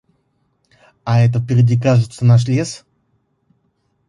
А это впереди, кажется, наш лес?